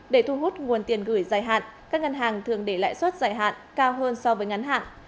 để thu hút nguồn tiền gửi dài hạn các ngân hàng thường để lãi suất giải hạn cao hơn so với ngắn hạn